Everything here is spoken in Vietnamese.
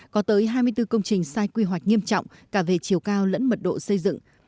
có tới hai mươi bốn công trình sai quy hoạch nghiêm trọng cả về chiều cao lẫn mật độ xây dựng